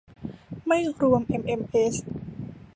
ไม่รวมเอ็มเอ็มเอส